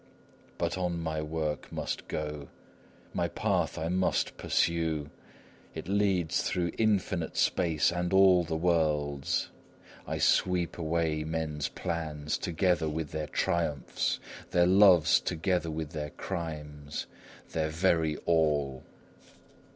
But on my work must go; my path I must pursue; it leads through infinite space and all the worlds. I sweep away men's plans together with their triumphs, their loves together with their crimes, their very all.